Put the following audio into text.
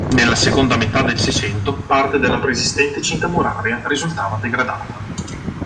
Nella seconda metà del Seicento parte della preesistente cinta muraria risultava degradata.